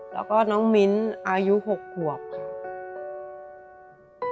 แล้วก็น้องมิ้นอายุ๖ขวบค่ะ